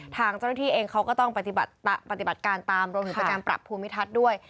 ทางเจ้าหน้าที่เองเขาก็ต้องปฏิบัติการตามรวมถึงเป็นการปรับภูมิทัศน์ด้วย